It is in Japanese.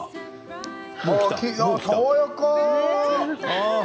爽やか。